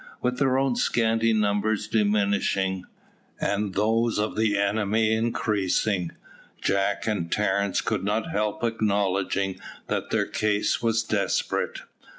With their own scanty numbers diminishing, and those of the enemy increasing, Jack and Terence could not help acknowledging that their case was desperate.